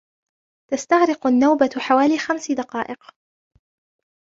تستغرق النوبة حوالي خمس دقائق.